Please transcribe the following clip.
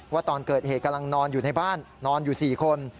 ตอนเกิดเหตุกำลังนอนอยู่ในบ้านนอนอยู่๔คน